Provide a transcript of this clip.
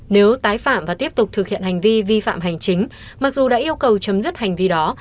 nếu tái phạm và tiếp tục thực hiện hành vi vi phạm hành chính mặc dù đã yêu cầu chấm dứt hành vi đó